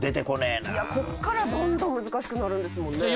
いやここからどんどん難しくなるんですもんね。